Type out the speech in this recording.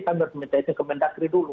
kami harus minta itu ke mendagri dulu